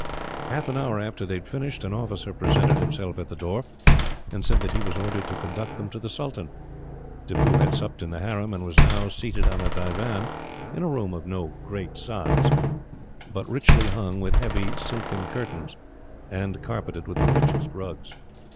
Half an hour after they had finished, an officer presented himself at the door, and said that he was ordered to conduct them to the sultan. Tippoo had supped in the harem, and was now seated on a divan, in a room of no great size, but richly hung with heavy silken curtains, and carpeted with the richest rugs.